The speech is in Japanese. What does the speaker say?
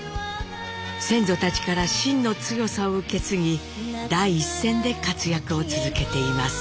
先祖たちからしんの強さを受け継ぎ第一線で活躍を続けています。